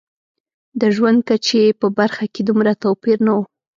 د ژوند کچې په برخه کې دومره توپیر نه و.